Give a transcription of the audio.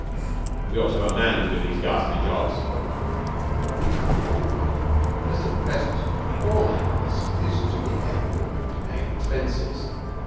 'We ought to have a man to do these ghastly jobs.' 'But we can't afford one. Just at present all I ask is to be able to pay expenses.